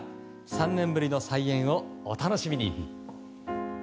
３年ぶりの再演をお楽しみに。